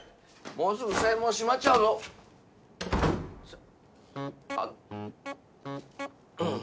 もうすぐ正門閉まっちゃうぞあっ